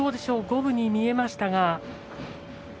五分に見えましたが。